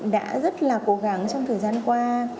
đã rất là cố gắng trong thời gian qua